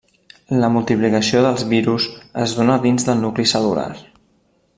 La multiplicació dels virus es dóna dins del nucli cel·lular.